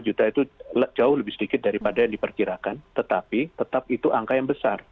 dua puluh juta itu jauh lebih sedikit daripada yang diperkirakan tetapi tetap itu angka yang besar